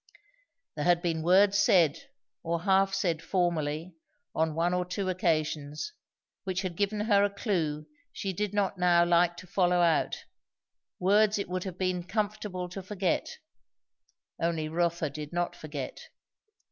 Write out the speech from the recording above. There had been words said or half said formerly, on one or two occasions, which had given her a clue she did not now like to follow out; words it would have been comfortable to forget, only Rotha did not forget.